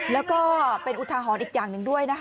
แล้วก็เป็นอุทาหรณ์อีกอย่างหนึ่งด้วยนะคะ